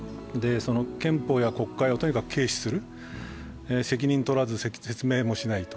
憲法や国会をとにかく軽視する、責任をとらず説明もしない。